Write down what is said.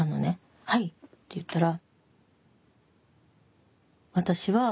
「はい」って言ったら。